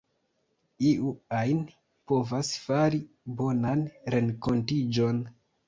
Iu ajn povas fari bonan renkontiĝon.